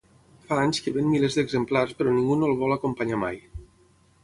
Fa anys que ven milers d'exemplars, però ningú no el vol acompanyar mai.